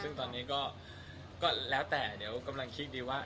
ซึ่งตอนนี้ก็แล้วแต่เดี๋ยวกำลังคิดดีว่า